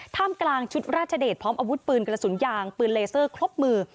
ท่ามกลางชุดราชเดชพร้อมอาวุธปืนกระสุนยางปืนเลเซอร์ครบมือ